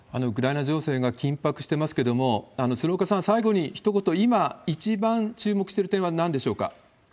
ウクライナ情勢が緊迫してますけれども、鶴岡さん、最後にひと言、今、一番注目してる点はなんでしょうか？